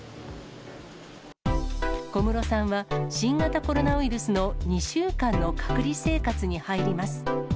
小室さんは、新型コロナウイルスの２週間の隔離生活に入ります。